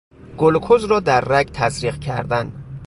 گلوکز را در رگ تزریق کردن